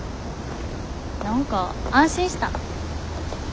何か安心した。